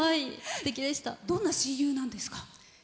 どんな親友なんですか？